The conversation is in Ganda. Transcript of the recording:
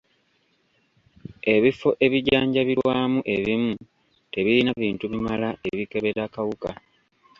Ebifo ebijjanjabirwamu ebimu tebirina bintu bimala ebikebera kawuka.